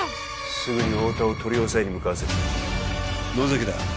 すぐに太田を取り押さえに向かわせる野崎だ